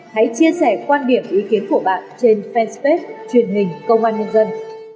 hãy chia sẻ quan điểm ý kiến của bạn trên fanpage truyền hình công an nhân dân